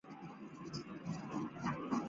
他现在生活在当时临时政府安排的龙树宫。